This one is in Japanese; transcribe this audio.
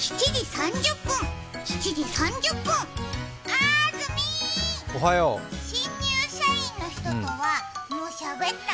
あーずみー、新入社員の人とはもうしゃべった？